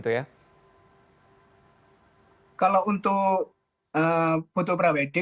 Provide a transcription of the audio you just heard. itu yang dibutuhkan untuk penghantar wisatawan